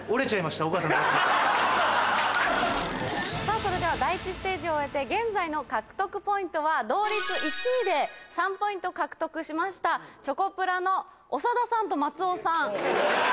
さぁそれでは第１ステージを終えて現在の獲得ポイントは同率１位で３ポイント獲得しましたチョコプラの長田さんと松尾さん。